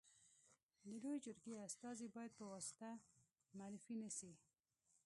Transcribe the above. د لويي جرګي استازي باید په واسطه معرفي نه سي.